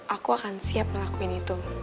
aku akan siap ngelakuin itu